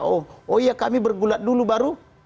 oh ya kami bergulat dulu baru tembak menembak